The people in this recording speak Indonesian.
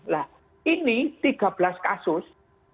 nah ini tiga belas kasus